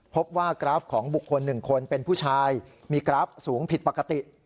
กราฟของบุคคล๑คนเป็นผู้ชายมีกราฟสูงผิดปกติ